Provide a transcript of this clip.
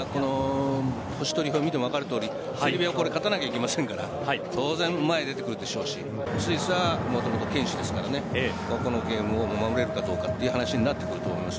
セルビアはこれ勝たなければいけませんから当然、前出てくるでしょうしスイスはもともと堅守でしょうからこのゲームを守れるかどうかという話になってくると思います